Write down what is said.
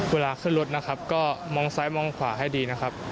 เวลาขึ้นรถนะครับก็มองซ้ายมองขวาให้ดีนะครับ